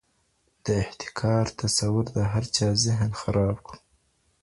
د احتکار تصور د هر چا ذهن خراب کړ.